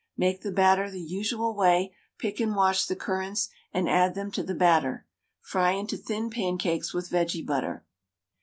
Make the batter the usual way, pick and wash the currants and add them to the batter. Fry into thin pancakes with vege butter.